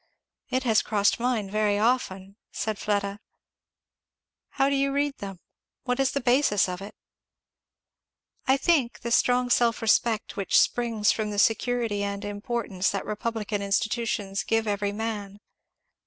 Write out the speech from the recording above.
"It has crossed mine very often," said Fleda. "How do you read them? what is the basis of it?" [Illustration: "How are they all at home?"] "I think, the strong self respect which springs from the security and importance that republican institutions give every man.